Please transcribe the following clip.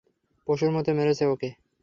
পশুর মতো মেরেছে ওকে।